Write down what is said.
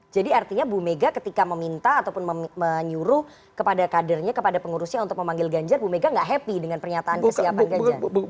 jadi artinya bu mega ketika meminta ataupun menyuruh kepada kadernya kepada pengurusnya untuk memanggil ganjar bu mega tidak happy dengan pernyataan kesiapan ganjar